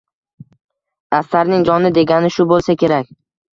Asarning joni degani shu bo’lsa kerak.